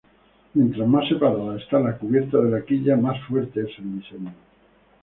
Mientras más separadas está la cubierta de la quilla, más fuerte es el diseño.